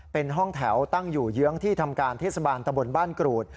เป็นห้องแถวตั้งอยู่เยื้องที่ทำการเทศบาลตะบนบ้านกรูด